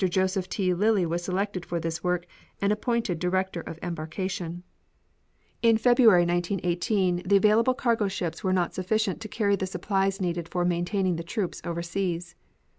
Joseph T. Lilly was selected for this work and appointed director of embarkation. In February, 1918, the available cargo ships were not sufficient to carry the supplies needed for maintaining the troops overseas.